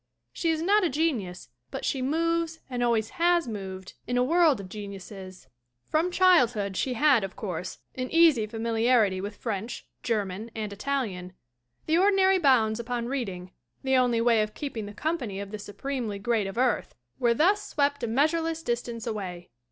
She is not a genius but she moves and always has moved in a world of geniuses. From childhood she had, of course, an easy familiarity with French, Ger man and Italian. The ordinary bounds upon read ing the only way of keeping the company of the supremely great of earth were thus swept a meas 4 THE WOMEN WHO MAKE OUR NOVELS ureless distance away.